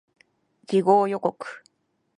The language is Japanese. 次号予告